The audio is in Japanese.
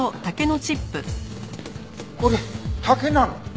これ竹なの？